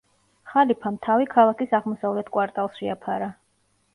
ხალიფამ თავი ქალაქის აღმოსავლეთ კვარტალს შეაფარა.